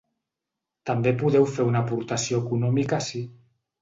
També podeu fer una aportació econòmica ací.